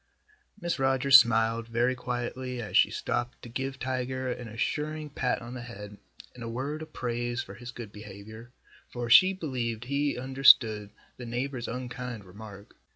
Mrs. Rogers smiled very quietly as she stopped to give Tiger an assuring pat on the head and a word of praise for his good behavior, for she believed he understood the neighbor's unkind remark.